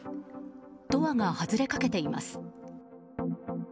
ドアが外れかけています。